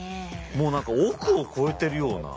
もう何か億を超えてるような。